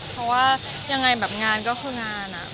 เพราะว่ายังไงแบบงานก็คืองานอะ